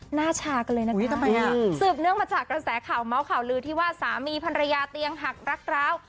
หน้าชากันเลยนะคะทำไมอ่ะสืบเนื่องมาจากกระแสข่าวเมาส์ข่าวลือที่ว่าสามีภรรยาเตียงหักรักร้าว